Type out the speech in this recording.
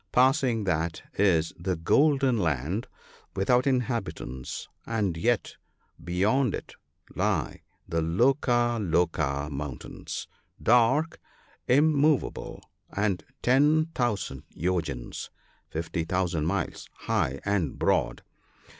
Passing that is the Golden Land, without inhabitants, and yet beyond it lie the Loka loka mountains, dark, immovable, and 10,000 yojans (50,000 miles) high and broad.